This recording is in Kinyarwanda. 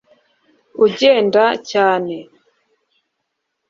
ugenda cyane